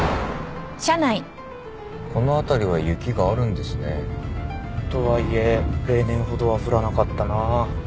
この辺りは雪があるんですね。とはいえ例年ほどは降らなかったな。